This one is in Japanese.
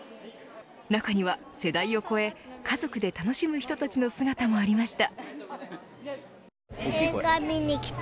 中には、世代を超え家族で楽しむ人たちの姿もありました。